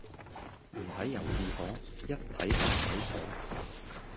唔睇由自可,一睇把鬼火